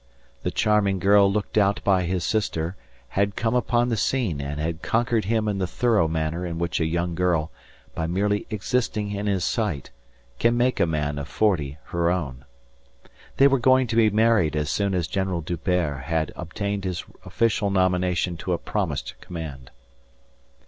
The charming girl looked out by his sister had come upon the scene and had conquered him in the thorough manner in which a young girl, by merely existing in his sight, can make a man of forty her own. They were going to be married as soon as General D'Hubert had obtained his official nomination to a promised command.